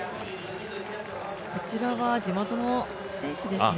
こちらは地元の選手ですね。